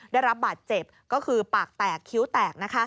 ได้รับบาดเจ็บก็คือปากแตกคิ้วแตก